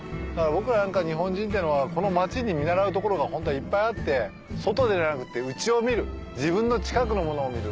僕らなんか日本人っていうのはこの街に見習うところがホントはいっぱいあって外じゃなくて内を見る自分の近くのものを見る。